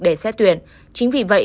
để xét tuyển chính vì vậy